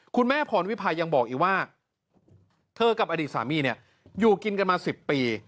พรวิพายังบอกอีกว่าเธอกับอดีตสามีเนี่ยอยู่กินกันมา๑๐ปี